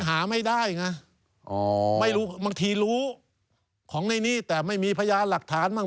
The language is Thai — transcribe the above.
มันหาไม่ได้ไงบางทีรู้ของในนี้แต่ไม่มีพยายามหลักฐานบ้าง